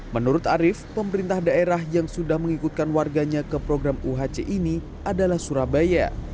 menurut arief pemerintah daerah yang sudah mengikutkan warganya ke program uhc ini adalah surabaya